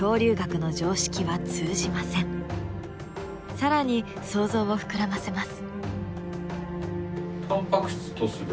更に想像を膨らませます。